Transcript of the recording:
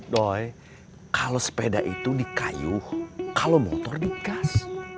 doi kalau sepeda itu dikayuh kalau motor digas